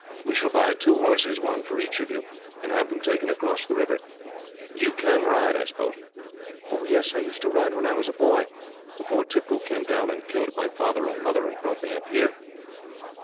We shall buy two horses, one for each of you, and have them taken across the river. You can ride, I suppose?" "Yes; I used to ride when I was a boy, before Tippoo came down and killed my father and mother, and brought me up here.